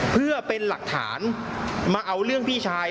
เพื่อเป็นหลักฐานมาเอาเรื่องพี่ชาย